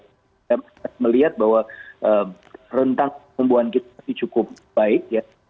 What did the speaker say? kita melihat bahwa rentang pertumbuhan kita masih cukup baik